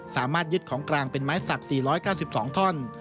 สามารถยึดของกลางเป็นไม้สัก๔๙๒ท่อน